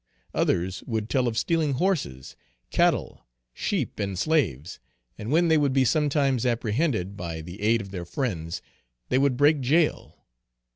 Others would tell of stealing horses, cattle, sheep, and slaves; and when they would be sometimes apprehended, by the aid of their friends, they would break jail.